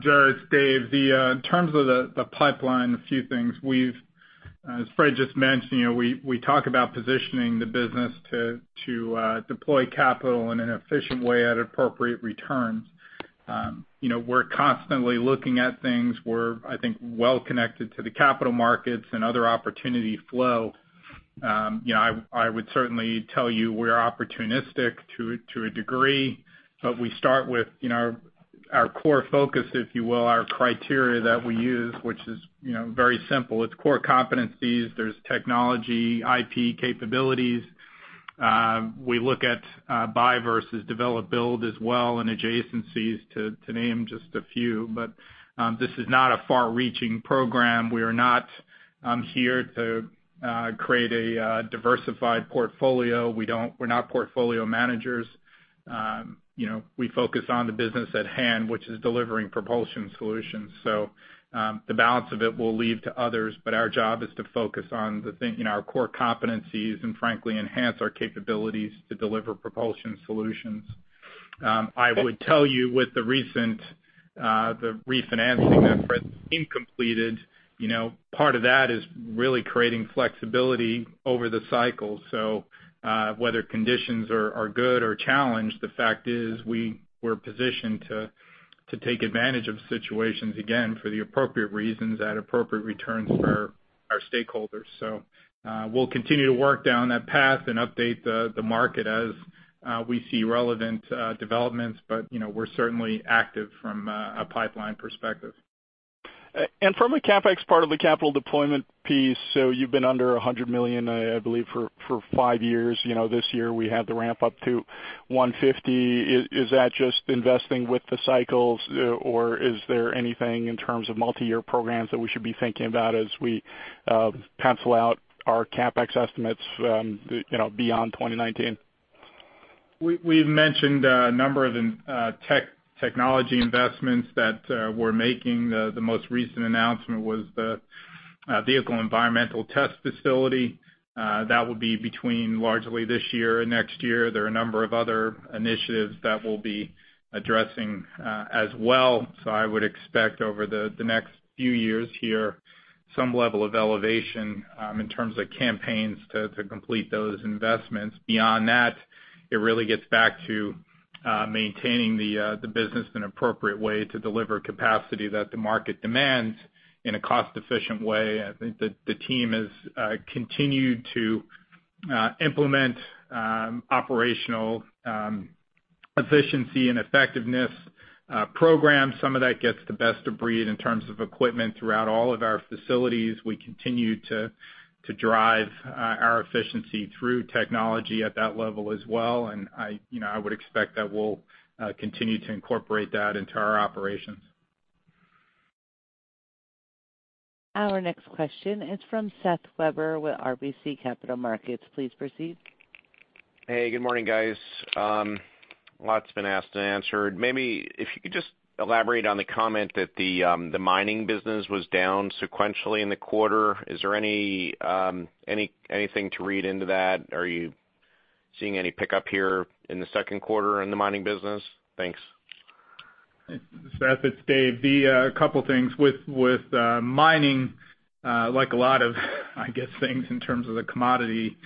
Jerry, it's Dave. In terms of the pipeline, a few things. We've, as Fred just mentioned, you know, we talk about positioning the business to deploy capital in an efficient way at appropriate returns. You know, we're constantly looking at things. We're, I think, well connected to the capital markets and other opportunity flow. You know, I would certainly tell you we're opportunistic to a degree, but we start with, you know, our core focus, if you will, our criteria that we use, which is, you know, very simple. It's core competencies, there's technology, IP capabilities, we look at buy versus develop, build as well, and adjacencies, to name just a few. But this is not a far-reaching program. We are not here to create a diversified portfolio. We don't -- we're not portfolio managers, you know, we focus on the business at hand, which is delivering propulsion solutions. So, the balance of it, we'll leave to others, but our job is to focus on the thing, you know, our core competencies, and frankly, enhance our capabilities to deliver propulsion solutions. I would tell you with the recent, the refinancing that Fred's team completed, you know, part of that is really creating flexibility over the cycle. So, whether conditions are good or challenged, the fact is we're positioned to take advantage of situations, again, for the appropriate reasons at appropriate returns for our stakeholders. So, we'll continue to work down that path and update the market as we see relevant developments, but, you know, we're certainly active from a pipeline perspective. And from a CapEx part of the capital deployment piece, so you've been under $100 million, I believe, for five years. You know, this year, we had the ramp up to $150 million. Is that just investing with the cycles, or is there anything in terms of multiyear programs that we should be thinking about as we pencil out our CapEx estimates, you know, beyond 2019? We've mentioned a number of the technology investments that we're making. The most recent announcement was the Vehicle Environmental Test facility. That would be between largely this year and next year. There are a number of other initiatives that we'll be addressing as well. So I would expect over the next few years here, some level of elevation in terms of campaigns to complete those investments. Beyond that, it really gets back to maintaining the business in an appropriate way to deliver capacity that the market demands in a cost-efficient way. I think that the team has continued to implement operational efficiency and effectiveness programs. Some of that gets the best of breed in terms of equipment throughout all of our facilities. We continue to drive our efficiency through technology at that level as well. And I, you know, would expect that we'll continue to incorporate that into our operations. Our next question is from Seth Weber with RBC Capital Markets. Please proceed. Hey, good morning, guys. A lot's been asked and answered. Maybe if you could just elaborate on the comment that the mining business was down sequentially in the quarter. Is there anything to read into that? Are you seeing any pickup here in the second quarter in the mining business? Thanks. Seth, it's Dave. The couple things with mining, like a lot of, I guess, things in terms of the commodity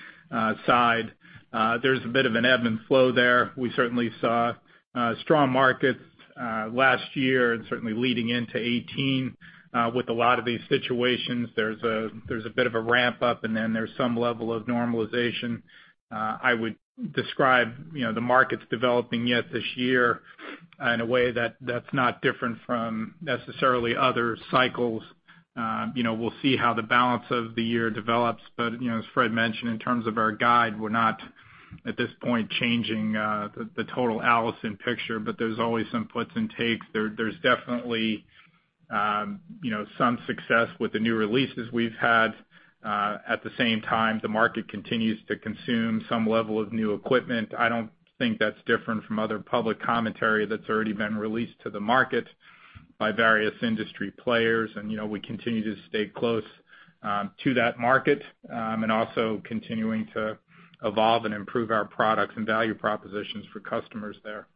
side, there's a bit of an ebb and flow there. We certainly saw strong markets last year, and certainly leading into 2018. With a lot of these situations, there's a bit of a ramp-up, and then there's some level of normalization. I would describe, you know, the markets developing yet this year in a way that that's not different from necessarily other cycles. You know, we'll see how the balance of the year develops. But, you know, as Fred mentioned, in terms of our guide, we're not, at this point, changing the total Allison picture, but there's always some puts and takes. There, there's definitely, you know, some success with the new releases we've had. At the same time, the market continues to consume some level of new equipment. I don't think that's different from other public commentary that's already been released to the market by various industry players. And, you know, we continue to stay close to that market, and also continuing to evolve and improve our products and value propositions for customers there.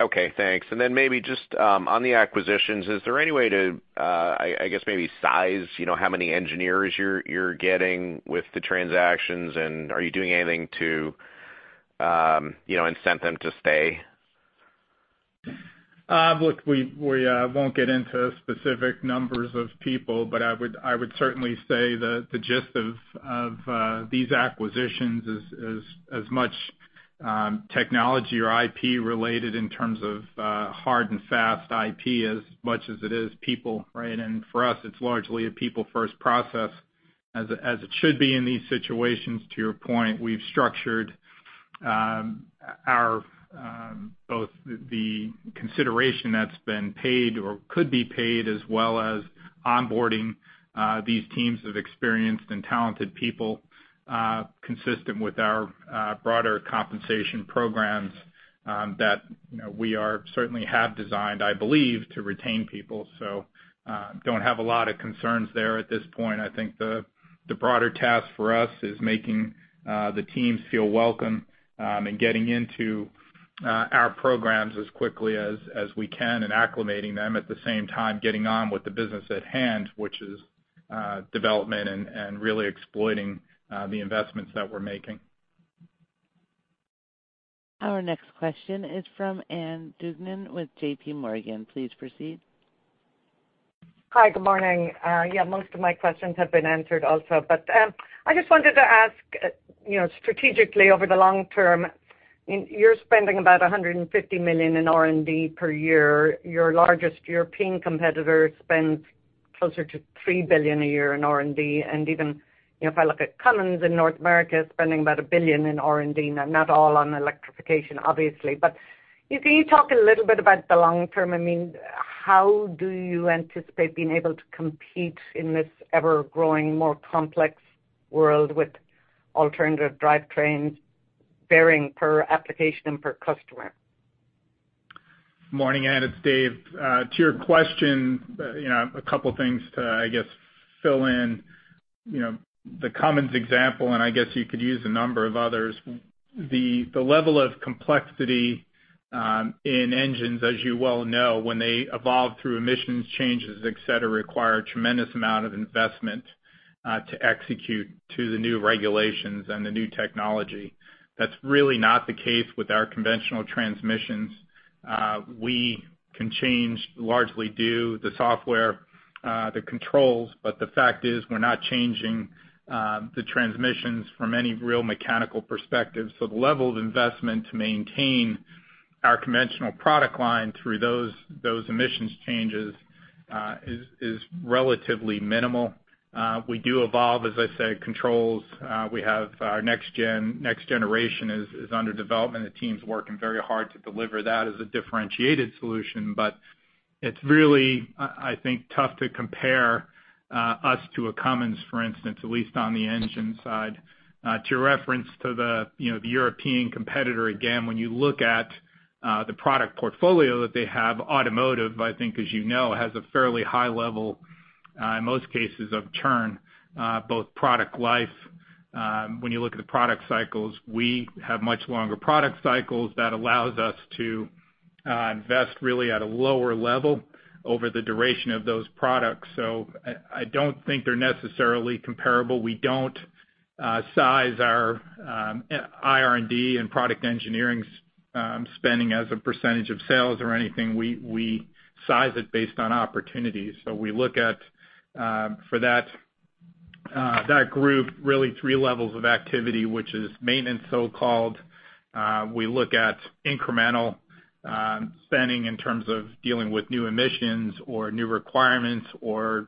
Okay, thanks. And then maybe just on the acquisitions, is there any way to, I guess maybe size, you know, how many engineers you're getting with the transactions? And are you doing anything to, you know, incent them to stay? Look, we won't get into specific numbers of people, but I would certainly say that the gist of these acquisitions is as much technology or IP related in terms of hard and fast IP, as much as it is people, right? And for us, it's largely a people-first process, as it should be in these situations. To your point, we've structured our both the consideration that's been paid or could be paid, as well as onboarding these teams of experienced and talented people consistent with our broader compensation programs, that you know we certainly have designed, I believe, to retain people, so don't have a lot of concerns there at this point. I think the broader task for us is making the teams feel welcome and getting into our programs as quickly as we can and acclimating them, at the same time, getting on with the business at hand, which is development and really exploiting the investments that we're making. Our next question is from Anne Duignan with J.P. Morgan. Please proceed. Hi, good morning. Yeah, most of my questions have been answered also. But, I just wanted to ask, you know, strategically, over the long term, you're spending about $150 million in R&D per year. Your largest European competitor spends closer to $3 billion a year in R&D. And even, you know, if I look at Cummins in North America, spending about $1 billion in R&D, not all on electrification, obviously. But can you talk a little bit about the long term? I mean, how do you anticipate being able to compete in this ever-growing, more complex-... world with alternative drivetrains bearing per application per customer? Morning, Anne, it's Dave. To your question, you know, a couple things to, I guess, fill in, you know, the Cummins example, and I guess you could use a number of others. The level of complexity in engines, as you well know, when they evolve through emissions changes, et cetera, require a tremendous amount of investment to execute to the new regulations and the new technology. That's really not the case with our conventional transmissions. We can change, largely do, the software, the controls, but the fact is, we're not changing the transmissions from any real mechanical perspective. So the level of investment to maintain our conventional product line through those emissions changes is relatively minimal. We do evolve, as I said, controls. We have our next gen- next generation is under development. The team's working very hard to deliver that as a differentiated solution, but it's really, I think, tough to compare us to a Cummins, for instance, at least on the engine side. To your reference to the, you know, the European competitor, again, when you look at the product portfolio that they have, automotive, I think, as you know, has a fairly high level in most cases of churn, both product life. When you look at the product cycles, we have much longer product cycles. That allows us to invest really at a lower level over the duration of those products. So I don't think they're necessarily comparable. We don't size our IR&D and product engineering spending as a percentage of sales or anything. We size it based on opportunities. So we look at, for that, that group, really three levels of activity, which is maintenance, so-called. We look at incremental, spending in terms of dealing with new emissions or new requirements or,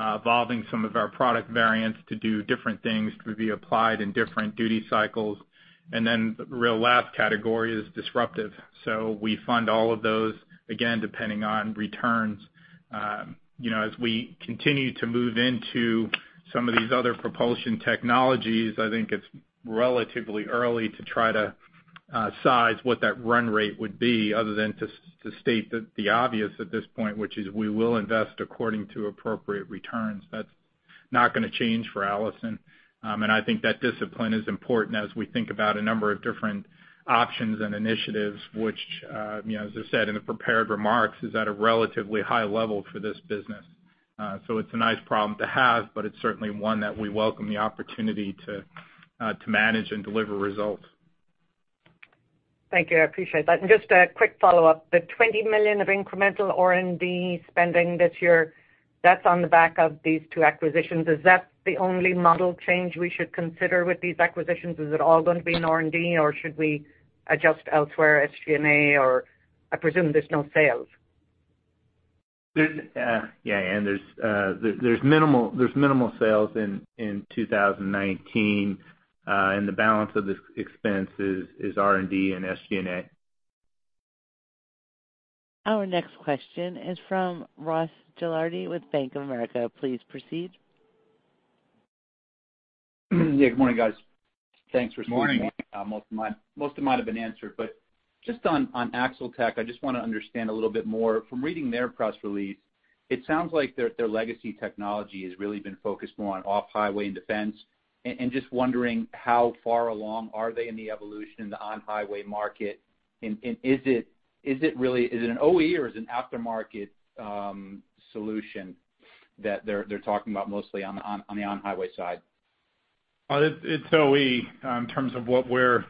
evolving some of our product variants to do different things, to be applied in different duty cycles. And then the real last category is disruptive. So we fund all of those, again, depending on returns. You know, as we continue to move into some of these other propulsion technologies, I think it's relatively early to try to, size what that run rate would be other than to state the, the obvious at this point, which is we will invest according to appropriate returns. That's not gonna change for Allison. I think that discipline is important as we think about a number of different options and initiatives, which, you know, as I said in the prepared remarks, is at a relatively high level for this business. It's a nice problem to have, but it's certainly one that we welcome the opportunity to manage and deliver results. Thank you. I appreciate that. Just a quick follow-up. The $20 million of incremental R&D spending this year, that's on the back of these two acquisitions. Is that the only model change we should consider with these acquisitions? Is it all going to be in R&D, or should we adjust elsewhere, SG&A, or I presume there's no sales? There's minimal sales in 2019, and the balance of the expense is R&D and SG&A. Our next question is from Ross Gilardi with Bank of America. Please proceed. Yeah, good morning, guys. Thanks for- Morning. Most of mine have been answered. But just on AxleTech, I just want to understand a little bit more. From reading their press release, it sounds like their legacy technology has really been focused more on off-highway and defense. And just wondering how far along are they in the evolution in the on-highway market? And is it really an OE or is it an aftermarket solution that they're talking about mostly on the on-highway side? It's OE in terms of what we're,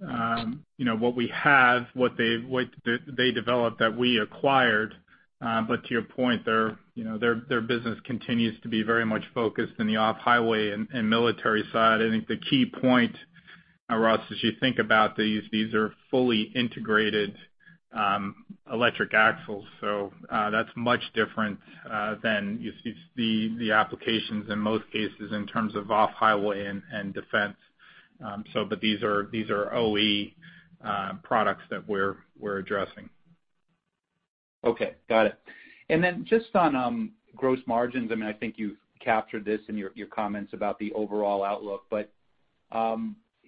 you know, what we have, what they developed that we acquired. But to your point, you know, their business continues to be very much focused in the off-highway and military side. I think the key point, Ross, as you think about these, these are fully integrated electric axles. So, that's much different than you see the applications in most cases in terms of off-highway and defense. So but these are OE products that we're addressing. Okay, got it. And then just on gross margins, I mean, I think you've captured this in your comments about the overall outlook, but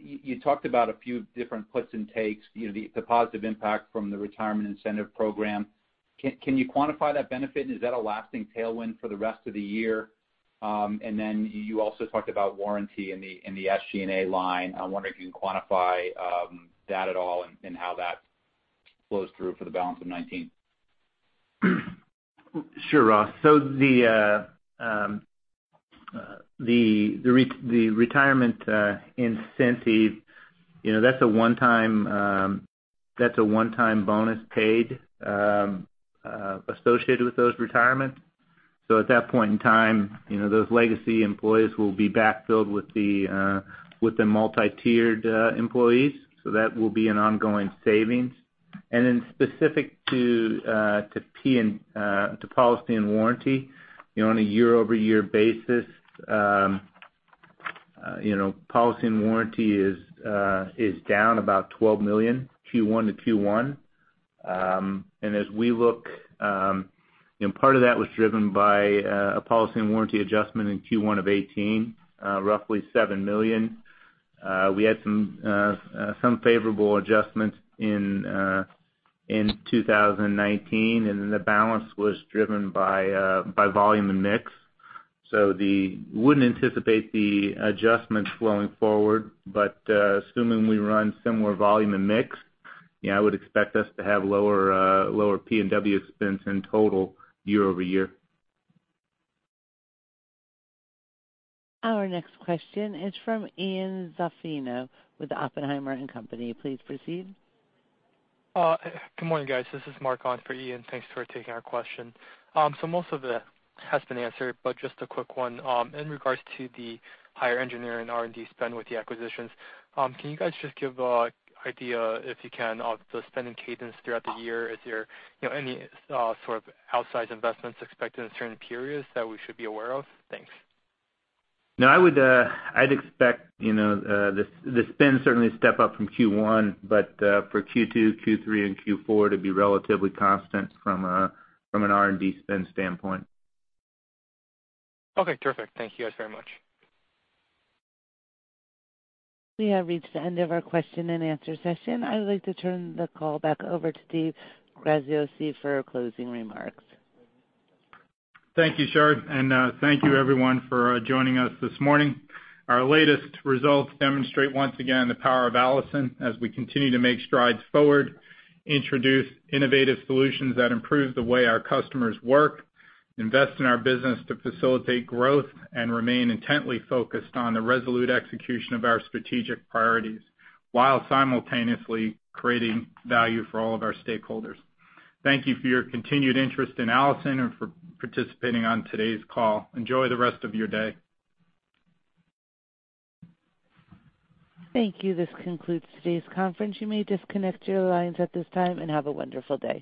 you talked about a few different puts and takes, you know, the positive impact from the retirement incentive program. Can you quantify that benefit, and is that a lasting tailwind for the rest of the year? And then you also talked about warranty in the SG&A line. I wonder if you can quantify that at all and how that flows through for the balance of 2019. Sure, Ross. So the retirement incentive, you know, that's a one-time bonus paid associated with those retirements. So at that point in time, you know, those legacy employees will be backfilled with the multi-tiered employees, so that will be an ongoing savings. And then specific to policy and warranty, you know, on a year-over-year basis, you know, policy and warranty is down about $12 million, Q1 to Q1. And as we look, you know, part of that was driven by a policy and warranty adjustment in Q1 of 2018, roughly $7 million. We had some favorable adjustments in 2019, and then the balance was driven by volume and mix. So, we wouldn't anticipate the adjustments going forward, but assuming we run similar volume and mix, yeah, I would expect us to have lower P&W expense in total year-over-year. Our next question is from Ian Zaffino with Oppenheimer & Co. Please proceed. Good morning, guys. This is Mark on for Ian. Thanks for taking our question. So most of it has been answered, but just a quick one. In regards to the higher engineering R&D spend with the acquisitions, can you guys just give a idea, if you can, of the spending cadence throughout the year? Is there, you know, any sort of outsized investments expected in certain periods that we should be aware of? Thanks. No, I would, I'd expect, you know, the spend certainly to step up from Q1, but, for Q2, Q3, and Q4 to be relatively constant from an R&D spend standpoint. Okay, terrific. Thank you guys very much. We have reached the end of our question-and-answer session. I would like to turn the call back over to David Graziosi for closing remarks. Thank you, Char, and thank you everyone for joining us this morning. Our latest results demonstrate once again the power of Allison as we continue to make strides forward, introduce innovative solutions that improve the way our customers work, invest in our business to facilitate growth, and remain intently focused on the resolute execution of our strategic priorities, while simultaneously creating value for all of our stakeholders. Thank you for your continued interest in Allison and for participating on today's call. Enjoy the rest of your day. Thank you. This concludes today's conference. You may disconnect your lines at this time, and have a wonderful day.